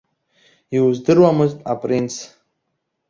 Иуздыруамызт, апринц!